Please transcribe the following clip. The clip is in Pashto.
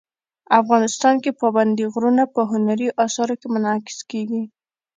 افغانستان کې پابندي غرونه په هنري اثارو کې منعکس کېږي.